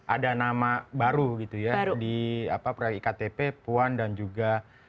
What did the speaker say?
ada nama baru gitu ya di proyek iktp puan dan juga